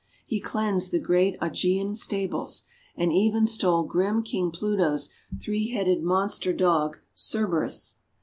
He cleansed the great Augean stables, and even stole grim King Pluto's three headed monster Dog, Cerberus.